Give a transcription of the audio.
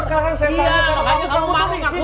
sekarang saya ngapain sama kamu kamu tau